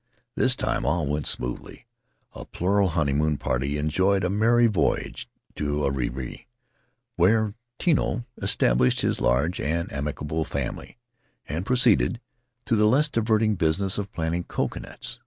This time all went smoothly; the plural honeymoon party enjoyed a merry voyage to Ariri, where Tino established his large and amicable family, and pro ceeded to the less diverting business of planting coco nuts.